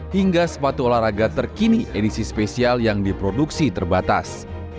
hingga sepatu olahraga terkini edisi spesial yang diproduksi terbatas